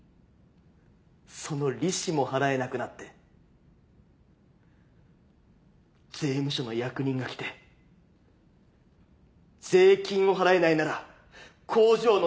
その利子も払えなくなって税務署の役人が来て税金を払えないなら工場の機械を差し押さえると言った。